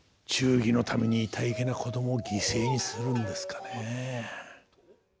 忠義のためにいたいけな子供を犠牲にするんですかね。